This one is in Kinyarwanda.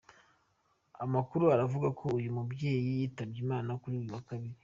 Amakuru aravuga ko uyu mubyeyi yitabye Imana kuri uyu wa kabiri.